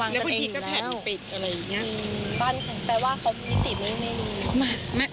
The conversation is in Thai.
ไม่มีนิติพล์ประเภท